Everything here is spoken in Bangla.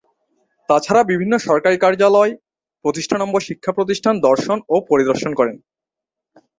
তাছাড়া বিভিন্ন সরকারী কার্যালয়, প্রতিষ্ঠানম্বর শিক্ষা প্রতিষ্ঠান দর্শন ও পরিদর্শন করেন।